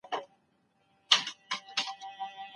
که خلګ يو بل ومني، شخړې کمېږي.